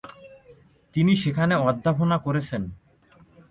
তিনি সেখানে অধ্যাপনা করেছেন ।